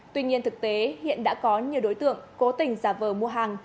tuy nhiên thực tế hiện đã có nhiều đối tượng cố tình giả vờ mua hàng